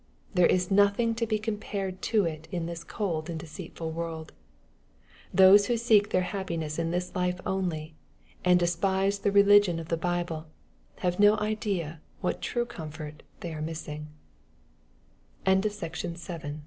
There is nothing to be compared to it in this cold and deceitful world. Those who seek their happiness in this life only, and despise the religion of the Bible, have no idea what true com